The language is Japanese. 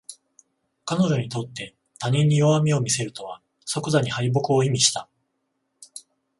彼女にとって他人に弱みを見せるとは即座に敗北を意味した